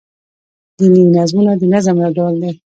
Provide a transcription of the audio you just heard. دیني نظمونه دنظم يو ډول دﺉ.